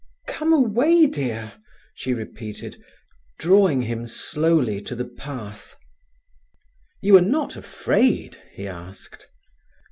"Come away, dear!" she repeated, drawing him slowly to the path. "You are not afraid?" he asked.